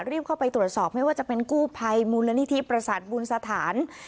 เข้าไปตรวจสอบไม่ว่าจะเป็นกู้ภัยมูลนิธิประสาทบุญสถาน